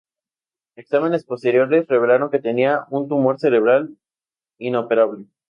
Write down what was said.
Exámenes posteriores revelaron que tenía un tumor cerebral inoperable.